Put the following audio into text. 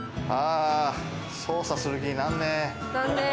捜査する気になんねえ！